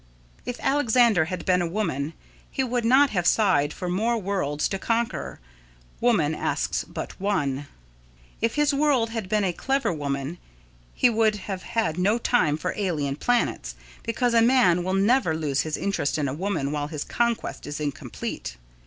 If Alexander had been a woman, he would not have sighed for more worlds to conquer woman asks but one. If his world had been a clever woman he would have had no time for alien planets, because a man will never lose his interest in a woman while his conquest is incomplete.